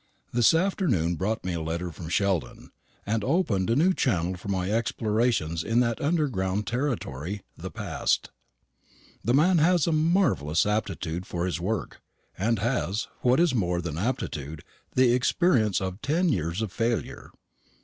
This afternoon brought me a letter from Sheldon, and opened a new channel for my explorations in that underground territory, the past. That man has a marvellous aptitude for his work; and has, what is more than aptitude, the experience of ten years of failure.